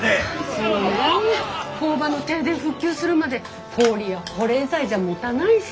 そうねえ工場の停電復旧するまで氷や保冷剤じゃもたないし。